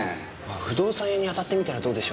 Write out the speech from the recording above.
不動産屋に当たってみたらどうでしょう。